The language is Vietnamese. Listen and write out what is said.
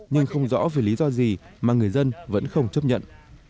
nhưng không rõ vì lý do gì mà người dân vẫn không chấp nhận